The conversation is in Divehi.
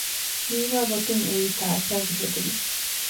ހީވާގޮތުން އެއީ ތާޝާގެ ހެދުމެއް